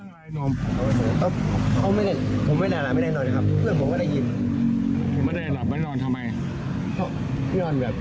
โมโหเรื่องอะไรนม